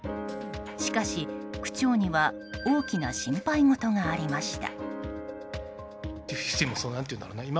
しかし、区長には大きな心配事がありました。